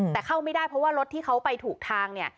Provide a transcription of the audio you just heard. แต่เข้าไม่ได้เพราะว่ารถที่เขาไปถูกทางเนี่ย